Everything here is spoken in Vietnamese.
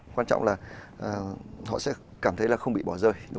quan trọng là họ sẽ cảm thấy là không bị bỏ rơi